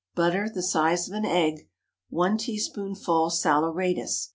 Butter the size of an egg. 1 teaspoonful saleratus.